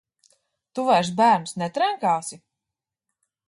Tu vairs bērnus netrenkāsi?